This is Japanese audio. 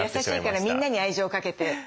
優しいからみんなに愛情かけて。